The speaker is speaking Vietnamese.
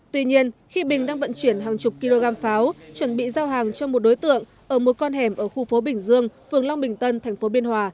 tuy nhiên khi bình đang vận chuyển hàng chục kg pháo chuẩn bị giao hàng cho một đối tượng ở một con hẻm ở khu phố bình dương phường long bình tân tp biên hòa